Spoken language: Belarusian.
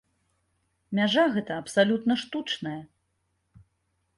Мяжа гэта абсалютна штучная.